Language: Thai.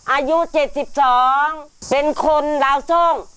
อายุ๗๒เป็นคนลาวโซ่ง